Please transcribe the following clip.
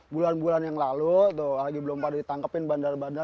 bulan bulan yang lalu tuh lagi belum pada ditangkapin bandar bandar